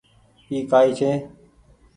اي ڪآئي ڇي ۔